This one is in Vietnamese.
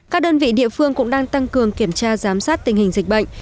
các đơn vị địa phương cũng đang tăng cường kiểm tra giám sát tình hình dịch bệnh